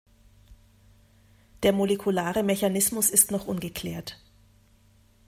Der molekulare Mechanismus ist noch ungeklärt.